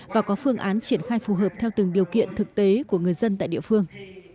và có phương án triển khai phù hợp theo từng điều kiện thực tế của người dân tại địa phương